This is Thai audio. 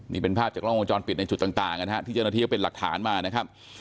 นี่เป็นภาพจากล้องวงจรปิดในจุดต่างนะฮะที่เจ้าหน้าที่ก็เป็นหลักฐานมานะครับ